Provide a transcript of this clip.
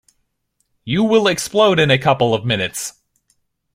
You will explode in a couple of minutes.